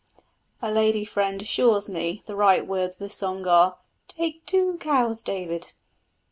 _ A lady friend assures me the right words of this song are: Take two cows, David.